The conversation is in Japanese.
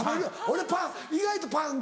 俺パン